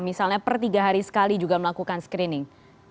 misalnya per tiga hari sekali juga melakukan screening